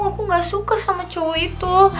aku gak suka sama cowok itu